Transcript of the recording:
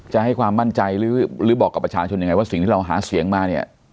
จะให้ความมั่นใจหรือบอกกับประชาชนยังไงว่าสิ่งที่เราหาเสียงมาเนี่ย